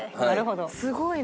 すごいな。